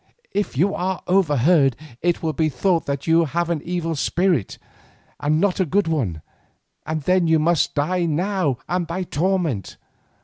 If you are overheard it will be thought that you have an evil spirit and not a good one, and then you must die now and by torment.